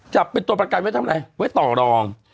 จับเป็นตัวประกันไว้ทำอะไรไว้ต่อรอง